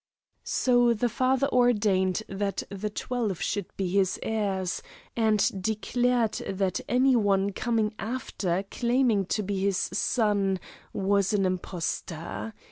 "So the father ordained that the twelve should be his heirs, and declared that any one coming after claiming to be his son, was an impostor.